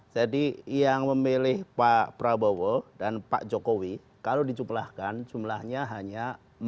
jadi yang memilih pak prabowo dan pak jokowi kalau dicumlahkan jumlahnya hanya empat puluh tujuh